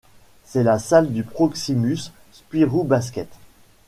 C'est la salle du Proximus Spirou Basket.